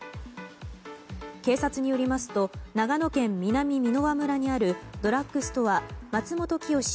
警察によりますと長野県南箕輪村にあるドラッグストアマツモトキヨシ